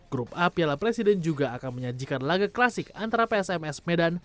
grup a piala presiden juga akan menyajikan laga klasik antara psms medan